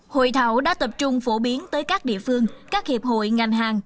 hội thảo đã tập trung phổ biến tới các địa phương các hiệp hội ngành hàng